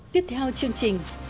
tiếp theo chương trình